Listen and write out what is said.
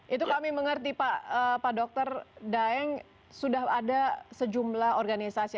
itu kami mengerti pak dr daeng sudah ada sejumlah organisasi